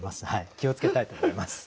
気を付けたいと思います。